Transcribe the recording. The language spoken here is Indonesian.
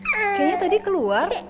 kayaknya tadi keluar